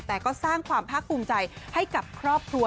แต่ก็สร้างความภาคภูมิใจให้กับครอบครัว